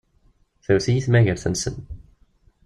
Tewwet-iyi tmagart-nsen.